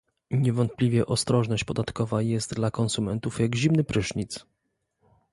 Niewątpliwie ostrożność podatkowa jest dla konsumentów jak zimny prysznic